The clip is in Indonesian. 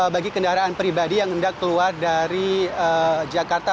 bagi kendaraan pribadi yang hendak keluar dari jakarta